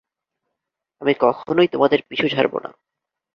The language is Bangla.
আমি কখনোই তোমাদের পিছু ছাড়ব না।